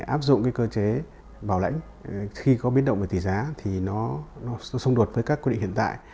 áp dụng cơ chế bảo lãnh khi có biến động về tỷ giá thì nó xung đột với các quy định hiện tại